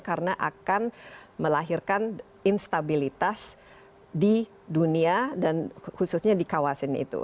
karena akan melahirkan instabilitas di dunia dan khususnya di kawasan itu